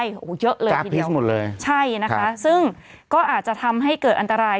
โอ้โหเยอะเลยทีเดียวใช่นะคะซึ่งก็อาจจะทำให้เกิดอันตราย